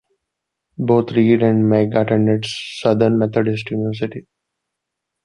Both Reid and Meg attend Southern Methodist University.